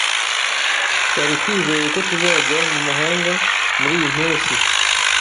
Twari twizeye ko tuzajya mu mahanga muriyi mpeshyi.